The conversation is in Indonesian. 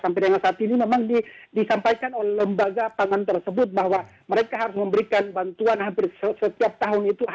sampai dengan saat ini memang disampaikan oleh lembaga pangan tersebut bahwa mereka harus memberikan bantuan hampir setiap tahun itu